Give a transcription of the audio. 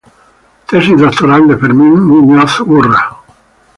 Tesis Doctoral de Fermín Muñoz Urra